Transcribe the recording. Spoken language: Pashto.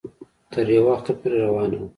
تر يو وخته پورې روانه وه